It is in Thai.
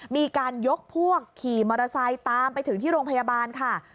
มีการยกพวกขี่มอเตอร์ไซค์ตามไปถึงที่โรงพยาบาลค่ะ